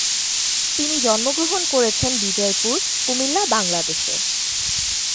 তিনি জন্ম গ্রহণ করেছেন বিজয়পুর, কুমিল্লা, বাংলাদেশে।